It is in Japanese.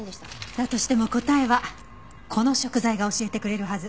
だとしても答えはこの食材が教えてくれるはず。